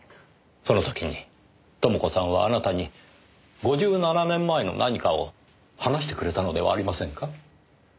その時に朋子さんはあなたに５７年前の何かを話してくれたのではありませんか？